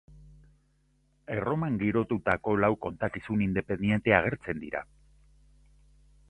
Erroman girotutako lau kontakizun independente agertzen dira.